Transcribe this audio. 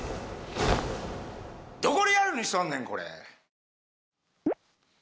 どこリアルにしとんねんこれ！